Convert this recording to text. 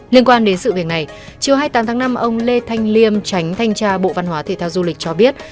liên quan đến sự việc này chiều hai mươi tám tháng năm ông lê thanh liêm tránh thanh tra bộ văn hóa thể thao du lịch cho biết